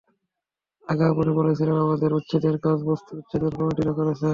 আগে আপনি বলছিলেন, আমাদের উচ্ছেদের কাজ বস্তি উচ্ছেদন কমিটিরা করছে।